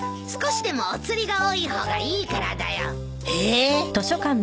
少しでもお釣りが多い方がいいからだよ。えっ！？